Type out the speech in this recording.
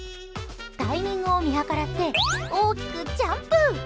タイミングを見計らって大きくジャンプ！